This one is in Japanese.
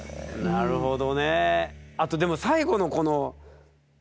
なるほど。